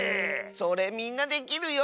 それみんなできるよ。